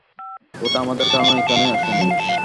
ওটা আমাদের কারণে এখানে আসেনি।